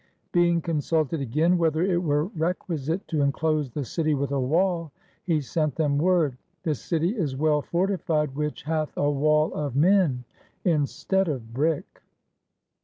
Being consulted again whether it were requisite to enclose the city with a wall, he sent them word, "The city is well fortified which hath a wall of men instead of brick."